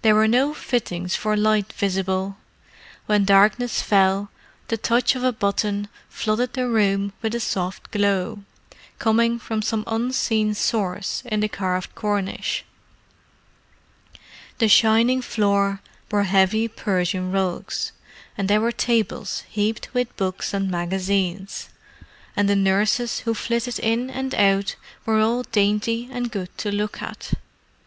There were no fittings for light visible: when darkness fell, the touch of a button flooded the room with a soft glow, coming from some unseen source in the carved cornice. The shining floor bore heavy Persian rugs, and there were tables heaped with books and magazines; and the nurses who flitted in and out were all dainty and good to look at.